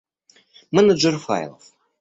Менеджер файлов